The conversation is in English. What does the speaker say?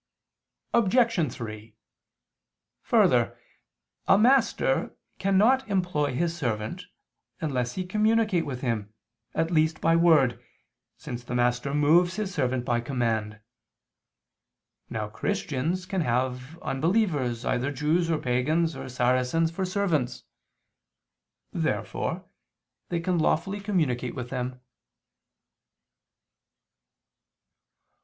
Obj. 3: Further, a master cannot employ his servant, unless he communicate with him, at least by word, since the master moves his servant by command. Now Christians can have unbelievers, either Jews, or pagans, or Saracens, for servants. Therefore they can lawfully communicate with them.